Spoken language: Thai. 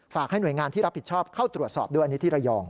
ให้หน่วยงานที่รับผิดชอบเข้าตรวจสอบด้วยอันนี้ที่ระยอง